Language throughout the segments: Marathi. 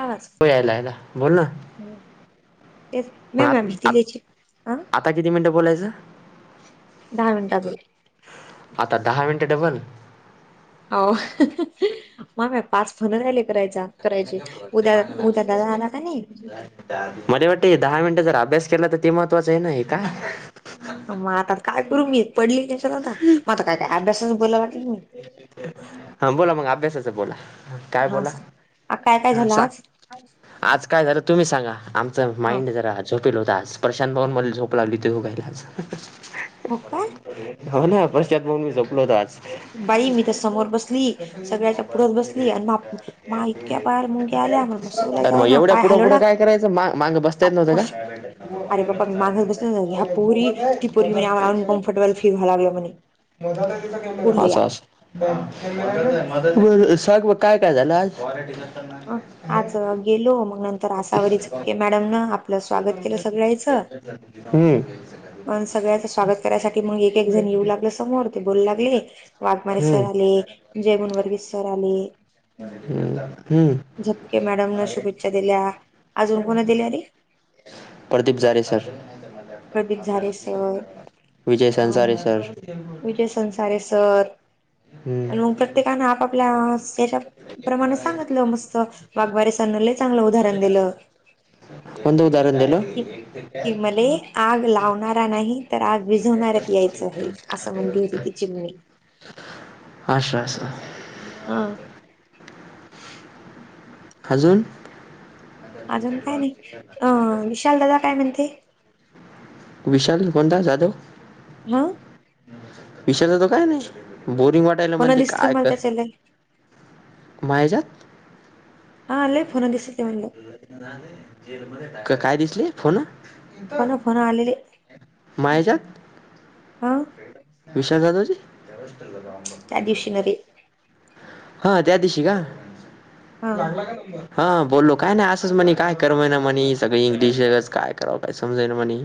आवाज हो यायलाला बोल ना. तेच मग मॅम मॅम आत- आत- भीतीलाची ह [unintelligible] आता किती? मिनिटं बोलायचं. दहा मिनिटा आजून. आता दहा मिनिट डबल! हो माम पाच फोन राहले. करायचा करायचे उद्या का नाही. मध्ये वाटतं दहा मिनिटं जर अभ्यास केला तर ते महत्वाचं आहे नाही का? मग आता काय? करू मी पडली त्याच्यालाता मता काय काय अभ्यासाच बोलायला वाटलं मी. हा बोला मग अभ्यासाच बोला.. काय हा बोला सांग काय काय हा झालं सांग? आज आज काय झालं तुम्ही सांगा आमचं ह माइंड जरा आ झोपेत होतास आज प्रशांत भवन मध्ये झोप लागली होती [inaudible] हो का? हो ना प्रशांत भाऊ आणि मी झोपलो होत आज बाई मी त्या समोर बसली सगळ्याच्या पुढत बसली आणि मा इतक्या बाहेर मुंग्या आल्या म्ह तर मग एवढ्या पुढं पुढं काय करायचं मा मागं बसता येत नव्हतं का? कश अरे बाप्पा मी मागच बसले [inaudible] ह्या [inaudible] पोरी ती पोरी म्हणे आम्हाला अनकम्फर्टेबल फील व्हायला लागलं म्हणे मग पुढे या सांग काय काय झालं आज? आज गेलो मग नंतर आसावरी झपके मॅडम नं आपलं स्वागत केलं सगळ्याचं हम्म अ सगळ्याच स्वागत करायसाठी मग एक एक जण येऊ लागलं समोर ते बोलू लागले वाघमारे सर आले हम्म जय गुणवर्गी सर आले हम्.. झपके मॅडम न शुभेच्छा दिल्या अजून कोणा दिल्या अरे प्रदीप जारे सर प्रदीप झारे सर विजय अन संसारे सर विजय संसारे सर हम्म आणि मग प्रत्येकानं आपापल्या च्या प्रमाणे सांगितलं मस्त वाघबारे सरांनी लय चांगलं उदाहरण दिलं [inaudible] कोणत उदाहरण दिलं? की कि मले आग लावणारा नाही तर आग वीजवणाऱ्यातले आहे असं म्हणती होती तिची मु अशा अस हा.. हम्.. अजून? अजून काय नाही अ विशालदादा काय म्हण विशाल कोणता जाधव? हा विशाल दादा काय नाही बोरिंग वाटायला फोन म्हणते दिसले काय मला कर- त्याच्या लय मायाजात.. हा लय फोन दिसले म्हणलं काय दिसले फोन? फोन फोन आलेले माय हेच्यात हा विशाल जाधव चे? त्या दिवशी नारे हा त्या दिवशी का? हा हा बोललो काय नाही असंच म्हणे काय करमय ना म्हणे सगळे इंग्लिशच काय करावं काय समजाय ना म्हणे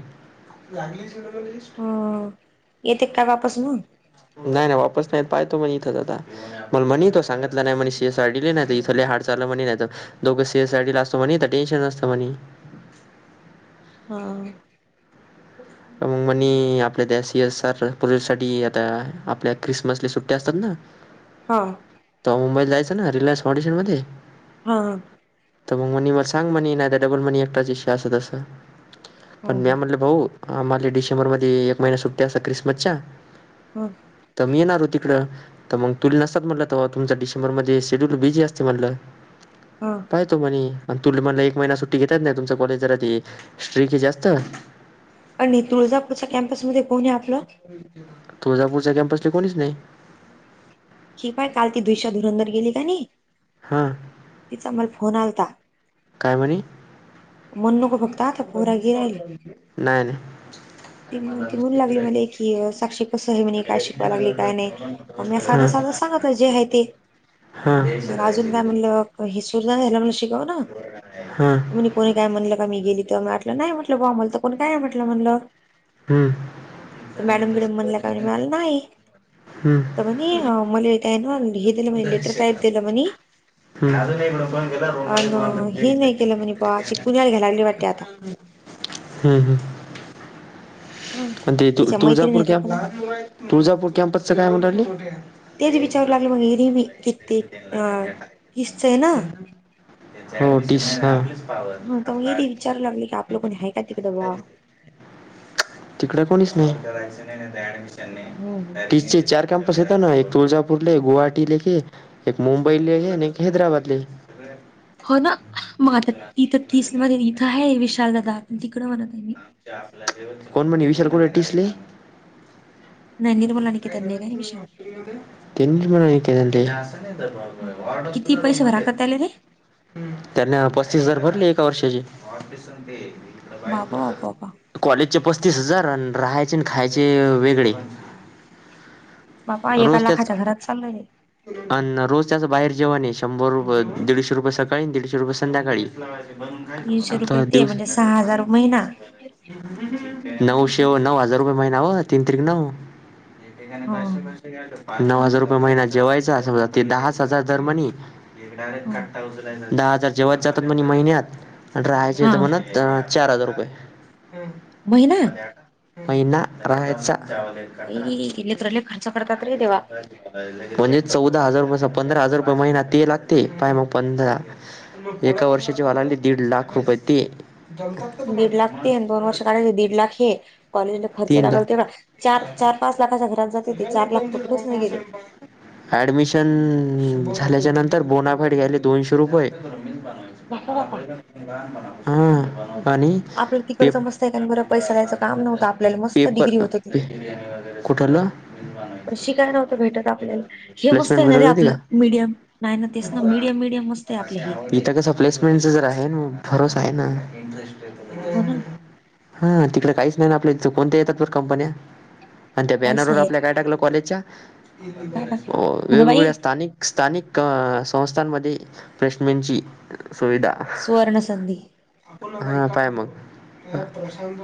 लागलीच ना ह येते का वापस म? नाही नाही वापस नाही पाहतो मण इथं जता मण म्हणे तो सांगितला नाही म्हण शेसडले नाही इथं ले हाल चाललं म्हणे नाही तर दोघं से साठी ला असतो म्हणे टेन्शन नतं म्हणे हा. मंग म्हणे आपल्या देशही येस सर पूर्वीसाठी आता आपल्या क्रिसमसली सुट्टी असतात ना. हा. तो मुंबईला जायचं ना, रियनस फऑंडेशन मध्ये. हा ह. त मग मणे म सांग म्हणे. नाही त डबल मनी एकटाच इषी अस तसं. पण हो म्या म्हणल भाऊ, आम्हाला डिसेंबरमध्ये एक महिना सुट्टी असता. क्रिसमसच्या. ह. त मी येणारो तिकडं. त मग तुला नसतात म्हणलं तव्हा. तुमचा डिसेंबर मध्ये शेड्यूल बिझी असते म्हणलं. हां. पाय तो म्हणे. तुले म्हणला एक महिना सुट्टी घेतात ना. तुमचा कॉलेज जरा ते स्ट्रिके जास्त. आणि तुळजापूरच्या कॅम्पसमध्ये कोण आहे आपलं तुळजापूरच्या कॅम्पसले कोणीच नाही. ही पाय काल ती दुविशा धुरंधर गेली का नाही. ह. तिचा मला फोन आलता. काय म्हणी? म्हणू नको फक् नाय नाय. त म्हणू लागली मले की साक्षी कसंय म्हणे? काय शिकवाय लागली काय नाही. म साध हां साध सांगतल जे आहे ते. हां बर अजून काय म्हणलं? हि विसरला म्हणी शिकव ना. हां म्हणी कोणी काय म्हटलं का मी गेली त? मी म्हटलं नाय म्हटलं आमला तर कोणी काय म्हटलं. हम्म त मॅडम बिडम म्हणल्या का म्हणी. मी म्हणला नाही. हम्म. म्हणी मले काय ना हे दीलं म्हणी लेटर टाइप दील म्हणी. अजून एककड पण गेला रूम हे नाही केलं म्हणे बुवा ती पुण्याला घ्यायला लागली वाटते आता [inaudible] हम्म हम्म. ह. अन ते तिच्या तुळजापूर मैत्रिणीचा कॅम्प, फोन तुळजापूर कॅम्पसच काय म्हणू रायली? तेच विचारू लागलं ही रिमी कि ते अ किसचय ना. हो टीस ह. मग आता मी विचारू लागले की आपलं कोणी आहे का तिकडं बा तिकड कोणीच नाही. हम्म. तिसचे चार कॅम्पस येत ना. एक तुळजापूरले, गुवाहाटीले कि एक, मुंबईले आणि एक हैदराबादले हो ना. मग आता तिथं तीस मध्ये इथं हाय विशालदादा. तिकड म्हणतय मी. कोण म्हणे विशाल कुडय ठिसले? नाही निर्मला निकित्यांनी का ऍडमिशन [unintelligible] हो किती पैसे भराकताले ते. त्यांनी पस्तीस हजार भरले. एका वर्षाचे. बापा बापा बापा कॉलेजचे पस्तीस हजार. अण रहायचेन खायचे वेगळे. बापा एका रोज त्याच लाखाच्या घरात चाललंय रे अन रोज त्याचं बाहेर जेवणे. शंभर रुपये, दीडशे रुपये सकाळी आणि दीडशे रुपये संध्याकाळी. तीनशे रुपये आता ते दिवस म्हणजे सहा हजार महिना. नऊशे नऊ हजार रुपये महिना ओ. तीन त्रिक नऊ. हो नऊ हजार रुपये महिना जेवायचा. समजा ते दहाच हजार दर म्हणी हो दहा हजार जेवायचे जातात म्हण महिन्यात आणि राहायचे तर हा म्हणत दहा चार हजार रुपये महिना महिना राहायचा बाई ही लेकरं लई खर्च करतात रे देवा म्हणजे चौदा हजार रुपय पंधरा हजार रुपये महिना ते लागते पाय मग पंधरा एका वर्षाचे व्हायला लागले दीड लाख रुपये ते दीड लाख ते दोन वर्ष काढायचे दीड लाख हे कॉलेजला खर्च तीन लागल लाख तेवढा चार चार पाच लाखाच्या घरात जाते ते चार लाख तर कुठेच नाही गेले. ॲडमिशन झाल्याच्या नंतर बोनाफाईट घ्यायला दोनशे रुपये झालं बाबा हा आणि आपलं ते तिकडचं मस्त एकाने बरं पैसा द्यायचं काम नव्हतं आपल्याला मस्त पेपर डिग्री होत ती कुठलं? [inaudible] पण शिकाय नव्हतं भेटत आपल्याला हे मस्त प्लेसमेंट आहे ना भरत रे होती का आपलं मीडियम नाही ना तेच ना मिडियम मिडियम मस्त आहे आपलं हे इथ कसं प्लेसमेंटच जर आहे ना भरोस आहे ना हो ना हा तिकडे काहीच नाही ना आपल्या इथ कोणत्या येतात कंपन्या आणि त्या काहीच बॅनरवर नाही येत आपल्या काय टाकलं कॉलेजच्या काय टाकलं हो ना वेगवेगळ बाई असत आणि स्थानिक संस्थांमध्ये प्लेस्टमेन्टची सुविधा सुवर्णसंधी हा पाय मग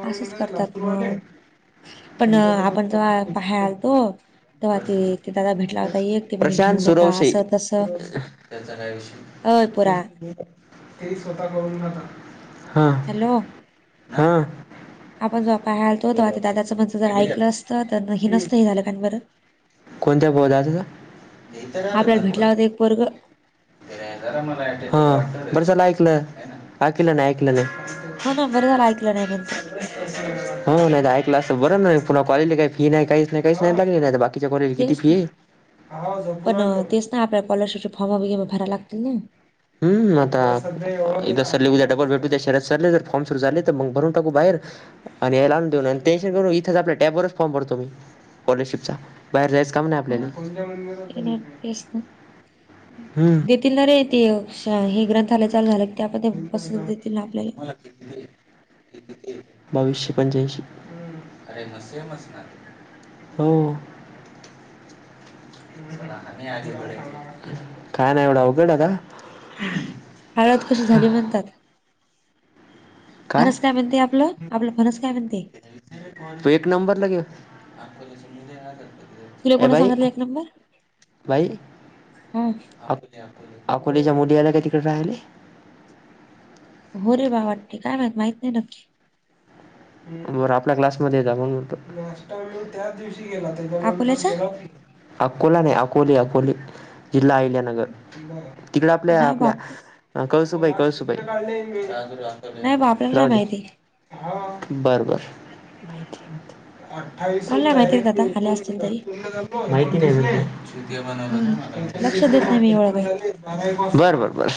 असंच करतात मग [unintelligible] ख्याल तो तेव्हा ते ते दादा भेटला होता एक ते मने प्रशांत घेऊ नका सुरवशे असं तसं अय पोरा [unintelligible] ते ही स्वतः करून नका हा हॅलो हा. आपण जेव्हा पाय हलतो तेव्हा ते दादाचं म्हणज जर ऐकलं असतं तर हे नसतं हे झालं कां बर कोणत्या पदाचा आपल्याला भेटला होता एक पोरग हा बरं झाल ऐकलं ऐकलं नाही ऐकलं नाही. हो ना बरं झालं ऐकलं नाही म्हणतो. हो नाही ऐकला असं बरं नाही पुन्हा कॉलेजली काही फी नाही काहीच नाही काहीच नाही बगली नाही बाकी बाकीच्या कॉलेजला किती तेच फी ना आहे. पण तेच ना आपल्याला स्कॉलरशिप चे फॉरर्मा बीमा भरायला लागतील ना हम् आता एकदा सरले उद्या डबल बेट उद्या शहरात चाले तर फॉर्म सुरू झाले तर मग भरून टाकू बाहेर आणि या लाून देऊन आणि टेन्शन करून इथेच आपल्या टॅबवरच फॉर्म भरतो मी स्कॉलरशिप चा बाहेर जायचं काम नाही हो आपल्याला ना ते ना हम्म तील ना रे ते हे ग्रंथाय चाल झालं ते आपण ते पस देतील आपल्याला [inaudible] बावीसशे पंच्याऐंशी हो काय नाही एवढा उघड आहे का हळद कशी झाली म्हणतात फरस काय म्हणते आपलं आपलं फनस काय म्हणते एक नंबर लगे तुला ए कोण बाई सांगितलं एक नंबर बाई हा अकोलेच्या मुली आल्या काय तिकडे राहिले? हो रे बा वाटते काय माहित माहित नाही नक्की. बरं आपल्या क्लासमध्ये जातो त्या दिव.. अकोल्याचा अकोला नाही अकोले अकोले जिल्हा अहिल्यानगर. तिकड आपल्या नाही बाप आपल्या कळसुबाई कळसुबाई.. नाही बा आपल्याला राह नाही दे माहिती बर बर. अठ्ठावीस मला नाही माहिती रे दादा डायरेट.. आले असतील तरी हम्म लक्ष देत नाही मी एवढं काही बर बर बर.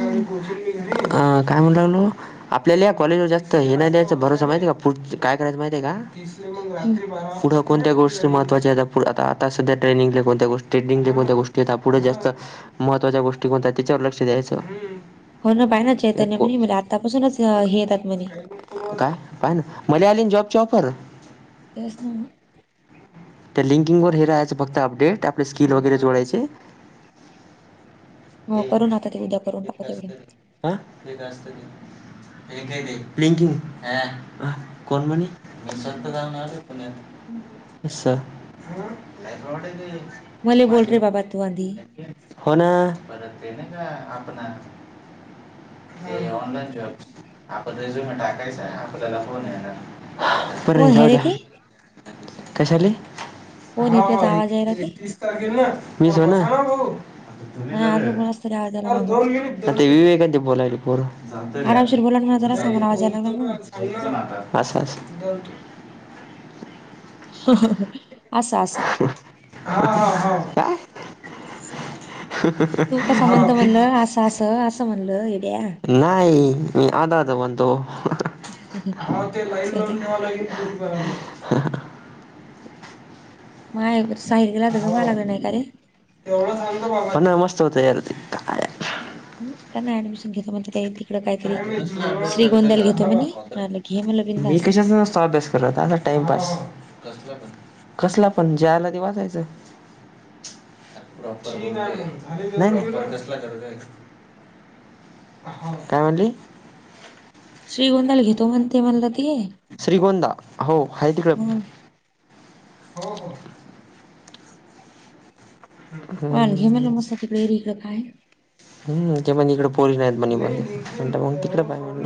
हम्म काय म्हणू लागलो आपल्याला या कॉलेजवर जास्त.. तर हे नाही द्यायच भरोस माहित आहे का पु काय करायचं माहित आहे का हम्म. पुढे,. कोणत्या गोष्टीहत्वाच्या आहेतता पु आता आता सध्या ट्रेनिंगले कोणत्या गोष्ट ट्रेनिंगले कोणत्या गोष्टी आहेतता पुढे जास्त. महत्त्वाच्या गोष्टी कोणत्या त्याच्यावर लक्ष द्यायच. हो ना बाहि ना चैतन्य म्हण आतापासूनच हेेत... काय काय ना मला आलीन जॉबच्या ऑफर. त्याचन.. त्या लिंकिंग वर हे राहायचं फक्त अपडेट आपले स्किल वगैरे जोडायचे. हो करून आात ते उद्या करून टाकत एवढे. हत का पकि कोण म्हणे. मसत का ना. मले माझ.. बोल रे बाबा तू आधी हो ना, परत ना का आपण. न द जॉब. पज टाकायचं आपल्याला फोन आहे ना प कोण हे जाऊ रे द्या. ते कशाले. कोण आहे त्याचा आवाज यायला ते मी भाऊ तुम्ही. नाही अजून कोणाच तरी आवाज आला आता मागून विवेकांचे बोलायले पोर. आरामशीर बोला ना मला जरासा आम्हाला आवाज यायला लागला असं असं. असं असं. काय. तू असं म्हणंत म्हणल असं असं असं म्हणल हेद्या. नाही मी आध आता म्हणतो. हा ते लाईन असं लावून नाही नवा लागे करा. माय साितिकलात ग मलागलं नाही का रे. प ना मस्त होत यार ते. काय त्यांना ऍडमिशन घेतता ममध्ये त्या. म्हणे मी करत म्हटलं घे म्हणलं मी बिनधास्त कशाचा तो अभ्यास करत आ. टाइमपास कसला पण जे आला ते वाचायच. प्रॉपर कसला कर. काय म्हणली. श्रीगोंंदाल घेतो म्हणते म्हणला ते. श्रीगोंदा हो आहे तिकडे. मग हो हो. अ घे मला मस्त तरी काय. हम् ते म्हणजे इकडे पोरीस नाहीत मणी ब म्हण मग तिकडे पाहिल.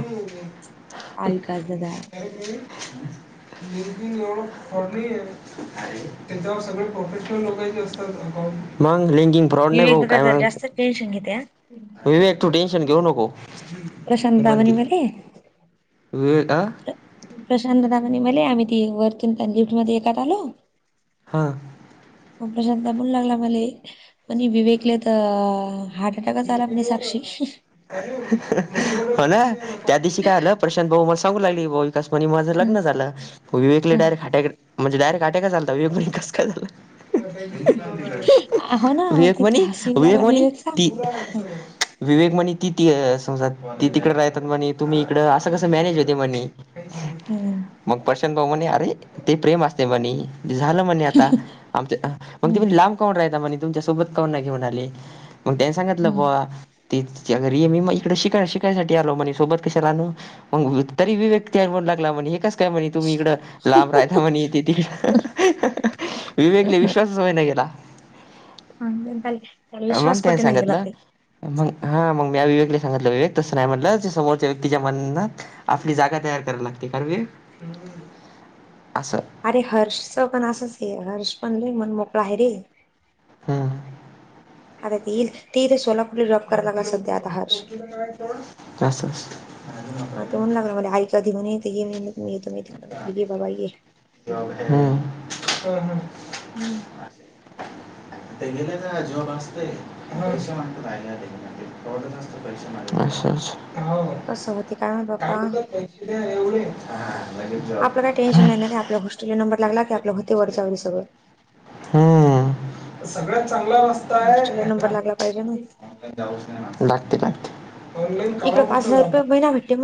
काय काास दादा. लंकि एवढं फरणी आहे. [unintelligible] मग लेंगे फ्रॉड नाही विवेक भाऊ दादा काय जरा माहिती जास्त टेन्शन घेतय हा. विवेक तु टेन्शन घेऊ नको. प्रशांत तावणी मध्ये विवेका प्रशांत दवानी मले आम्ही ती वरतून पण लिफ्टमध्ये एकात आल हां. मग प्रशांत म्हणू लागला मले, म्हणे विवेकले तर हार्ट अटॅकच आला [unintelligible] म्हणे साक्षी हो ना. त्या दिवशी काय आलं. प्रशांत भाऊ मला सांगू लागले, भाऊ विकास म्हणे माझं हं लग्न झालं. विवेक हं डारेट हट्या म्हणजे डायरेक्ट अटॅकच आलता. विवेक म्हणे, कस काय झालं? हो [unintelligible] ना मला तिथं विवेकमणी, हसू येऊ लागला विवेकमणी विवेकचा हं विवेक म्हणे ति त समज त तिकडे राहतात म्हणे तुम्ही इकडं असं कसं मॅनेज होते म्हणे. हं मग प्रशांत भाऊ म्हणे, अरे ते प्रेम असते म्हणे. झालं म्हणे आता. आम त म्हणे तुम्ही हं लांब कान राहता म्हणे, तुमच्यासोबत कान घेऊन आले. मग त्यानी सांगितलं बा. ती तिच्या घरीये. मी इकडे शिका शिकायसाठी आलो म्हणे सोबत कशाला आणू. मग री विवेक त्याला बोलू लागला, म्हणे हे कसं काय म्हणे तुम्ही इकडं लांब राहिता म्हणे, ती तिकडं विवेकले विश्वासच होईना गेला. हा मग काय त्याला विश्वास काय पटेना गेला सांगतलं? ते मग हा. मग म्या विवेकला सांगितलं, विवेक तसं नाही म्हटलं समोरच्या व्यक्तीच्या मना आपली जागा तयार कराला लागते. कारण की [inaudible] असं अरे हर्षच पण असंच ये. हर्ष पण लयं मण मोकळा आहे रे. हा. आता ती येइल, ती इथे सोलापूरला जॉब करायला सध्या आता हर्ष असं हा ते म्हणू लागला, आहे का दिदी म्हणे, इथे ये मग मी येतो तिकडं. म्हटलं ये बाबा ये. हा. [unintelligible] ह्म्म. ते गेले ना जॉब असते. [unintelligible] [unintelligible] अच्छा अच्छा. कसं होते काय माहित बाप्पा. एवढे आपलं काय टेन्शन नाही ना, आपला हॉस्टेला नंबर लागला की, आपलं होते वरचावरं सगळं. हा सगळ्यात चांगलात हॉस्टेलला काय नंबर लागला पाहिजे ना [unintelligible] लागते का? ऑनलाइन करा इकडे पाच म्हटलं हजार काम. रुपये महिना भेटते